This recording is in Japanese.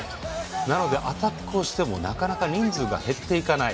なのでアタックをしてもなかなか人数が減っていかない。